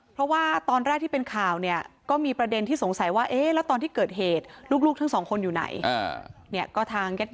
เพราะว่าตอนแรกที่เป็นข่าวเนี่ยก็มีประเด็นที่สงสัยว่าแล้วตอนที่เกิดเหตุลูกทั้งสองคนอยู่ไหน